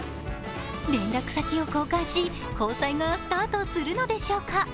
連絡先を交換し、交際がスタートするのでしょうか。